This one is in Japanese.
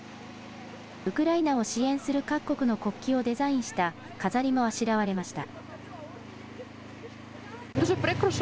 ウクライナを支援する各国の国旗をデザインした飾りもあしらわれました。